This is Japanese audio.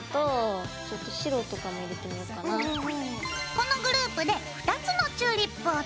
このグループで２つのチューリップを作ります。